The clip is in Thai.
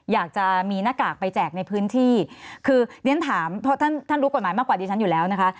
อยากจะมีหน้ากากไปแจกในพื้นที่คือเรียนถามเพราะท่านท่านรู้กฎหมายมากกว่าดิฉันอยู่แล้วนะคะ